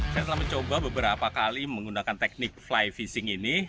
saya telah mencoba beberapa kali menggunakan teknik fly fishing ini